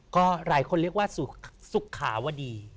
ก็หลายคนเรียกว่าสุขาวดี